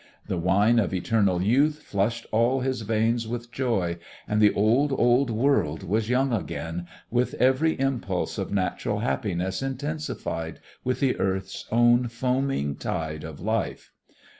The wine of eternal youth flushed all his veins with joy, and the old, old world was young again with every impulse of natural happiness intensified with the Earth's own foaming tide of life.